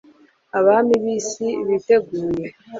abami b'isi biteguye